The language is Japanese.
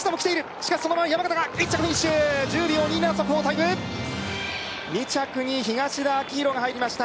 しかしそのまま山縣が１着フィニッシュ１０秒２７速報タイム２着に東田旺洋が入りました